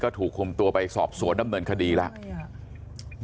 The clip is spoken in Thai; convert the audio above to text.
ก็ถูกคุมตัวไปสอบโสด่าเมินคดีแล้ว